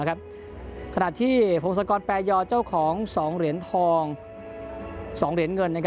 ขนาดที่โผงศัลกรแปรยอดเจ้าของ๒เหรียญเงิน